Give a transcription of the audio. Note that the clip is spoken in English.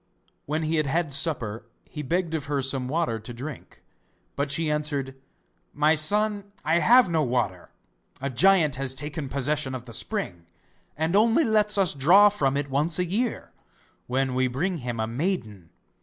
When he had had supper he begged of her some water to drink, but she answered: 'My son, I have no water; a giant has taken possession of the spring, and only lets us draw from it once a year, when we bring him a maiden.